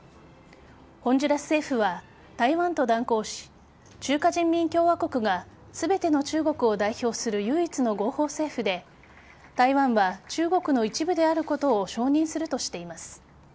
ホンジュラス政府は台湾と断交し中華人民共和国が全ての中国を代表する唯一の合法政府で台湾は中国の一部であることを承認するとしています。